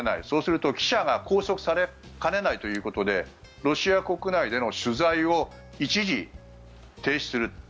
そうすると記者が拘束されかねないということでロシア国内での取材を一時、停止する。